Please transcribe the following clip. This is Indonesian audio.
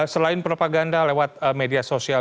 selain propaganda lewat media sosial